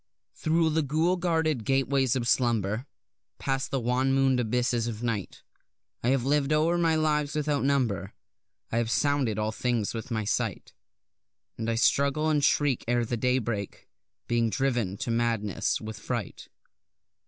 Thro' the ghoul guarded gateways of slumber, Past the wan moon'd abysses of night, I have liv'd o'er my lives without number, I have sounded all things with my sight; And I struggle and shriek ere the daybreak, being driven to madness with fright.